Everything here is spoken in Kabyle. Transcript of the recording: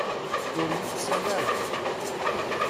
Ur yuksan ara.